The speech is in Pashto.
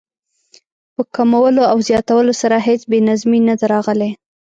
په کمولو او زیاتولو سره هېڅ بې نظمي نه ده راغلې.